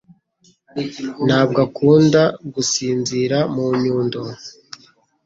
ntabwo akunda gusinzira mu nyundo.